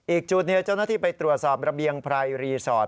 อีกจุดเจ้าหน้าที่ไปตรวจสอบระเบียงไพรรีสอร์ท